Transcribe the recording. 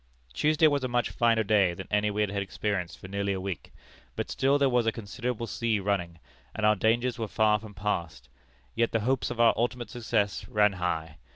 "Tuesday was a much finer day than any we had experienced for nearly a week, but still there was a considerable sea running, and our dangers were far from passed; yet the hopes of our ultimate success ran high.